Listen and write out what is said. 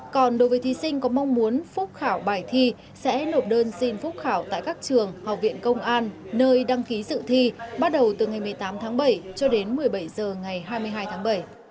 còn đối với thí sinh có mong muốn phúc khảo bài thi sẽ nộp đơn xin phúc khảo tại các trường học viện công an nơi đăng ký dự thi bắt đầu từ ngày một mươi tám tháng bảy cho đến một mươi bảy h ngày hai mươi hai tháng bảy